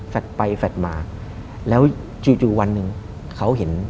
ไปแฟดมาแล้วจู่วันหนึ่งเขาเห็น